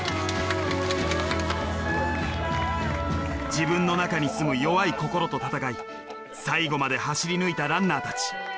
自分の中に住む弱い心と闘い最後まで走り抜いたランナーたち。